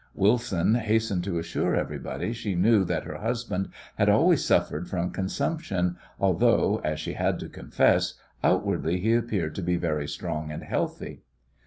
Wilson hastened to assure everybody she knew that her "husband" had always suffered from consumption, although, as she had to confess, outwardly he appeared to be very strong and healthy.